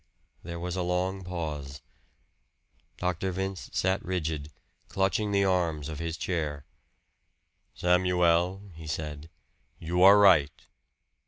There was a long pause. Dr. Vince sat rigid, clutching the arms of his chair. "Samuel," he said, "you are right.